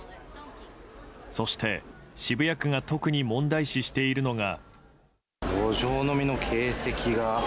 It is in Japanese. そして渋谷区が特に問題視しているのが。